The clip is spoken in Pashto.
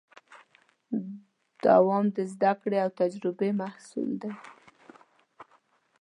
دوام د زدهکړې او تجربې محصول دی.